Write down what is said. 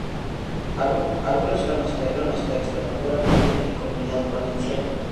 Algunos servicios llegan hasta Extremadura, Madrid y Comunidad Valenciana.